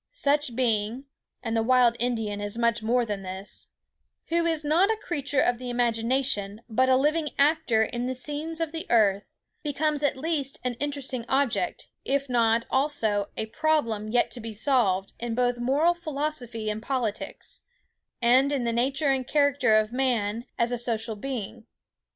Such a being (and the wild Indian is much more than this) who is not a creature of the imagination, but a living actor in the scenes of the earth, becomes at least an interesting object, if not, also, a problem yet to be solved in both moral philosophy and politics, and in the nature and character of man as a social being.